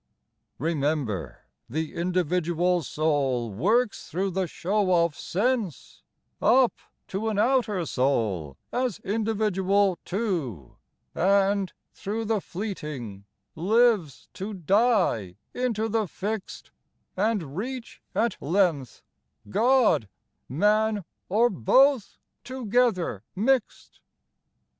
Remember the individual soul works through the show of sense Up to an outer soul as individual, too ; And, through the fleeting, lives to die into the fixed And reach at length God, man, or both, to gether mixed."